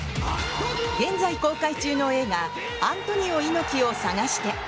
現在公開中の映画「アントニオ猪木をさがして」。